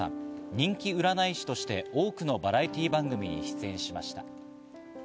人気占い師として多くのバラエティー番組に出演しました。